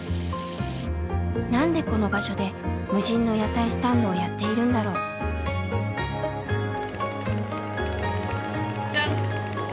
何でこの場所で無人の野菜スタンドをやっているんだろう？じゃん！